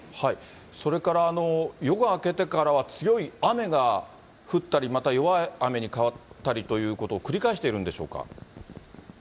それから夜が明けてからは強い雨が降ったり、また弱い雨に変わったりということを繰り返しているんでしょうか。